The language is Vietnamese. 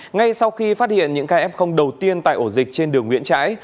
ngay sau khi phát hiện những kf đầu tiên tại ổ dịch trên đường nguyễn trãi